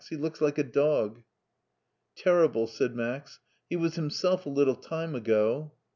He looks like a dog." "Terrible!'' said Max; "he was himself a little time ago."